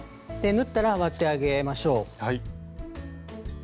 縫ったら割ってあげましょう。